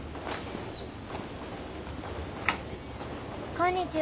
こんにちは。